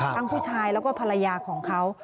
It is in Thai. ผู้ชายแล้วก็ภรรยาของเขา